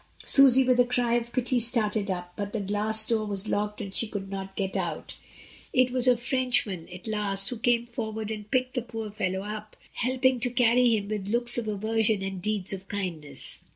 Susy with a cry of pity started up; but the glass door was locked and she could not get out. It was a French man, at last, who came forward and picked the poor fellow up, helping to carry him, with looks of aversion and deeds of kindness.